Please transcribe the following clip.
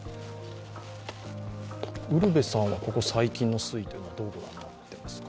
ウルヴェさん、ここ最近の推移、どう御覧になっていますか？